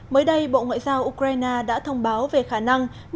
mới đây bộ ngoại giao ukraine đã thông báo về khả năng nâng cao dân số của canada